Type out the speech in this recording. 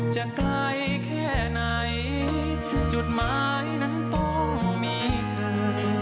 จะไกลแค่ไหนจุดหมายนั้นต้องมีเธอ